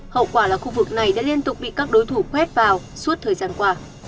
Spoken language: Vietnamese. hậu quả là khu vực này đã liên tục bị các đối thủ quét vào suốt thời gian qua